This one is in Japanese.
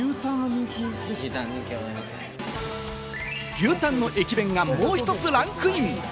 牛たんの駅弁がもう１つランクイン！